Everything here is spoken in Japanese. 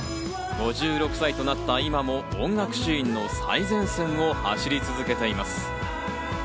５６歳となった今も音楽シーンの最前線を走り続けています。